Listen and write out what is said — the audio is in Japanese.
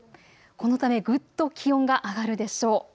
このためぐっと気温が上がるでしょう。